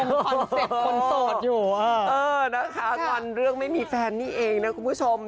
ยังมีความคอนเซ็ตคนโสดอยู่เออนะคะงอนเรื่องไม่มีแฟนนี่เองนะคุณผู้ชม